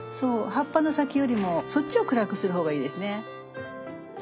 葉っぱの先よりもそっちを暗くする方がいいですね。